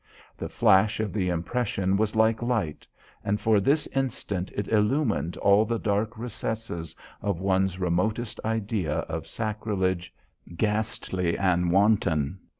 The flash of the impression was like light, and for this instant it illumined all the dark recesses of one's remotest idea of sacrilege, ghastly and wanton.